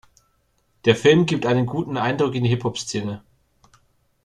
Der Film gibt einen guten Eindruck in die Hip-Hop-Szene.